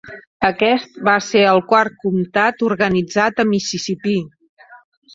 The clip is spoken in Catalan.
Aquest va ser el quart comtat organitzat a Mississipí.